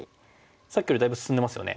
さっきよりだいぶ進んでますよね。